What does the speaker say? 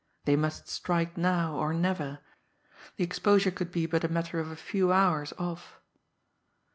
_ They must strike now, or never the exposure could be but a matter of a few hours off!